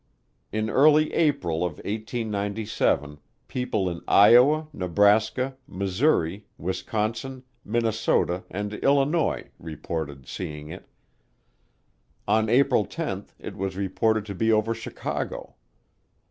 In early April of 1897 people in Iowa, Nebraska, Missouri, Wisconsin, Minnesota, and Illinois reported seeing it. On April 10 it was reported to be over Chicago.